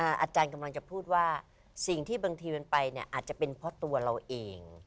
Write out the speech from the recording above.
อาจารย์กำลังจะพูดว่าสิ่งที่บางทีมันไปเนี่ยอาจจะเป็นเพราะตัวเราเอง